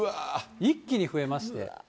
一気に増えまして。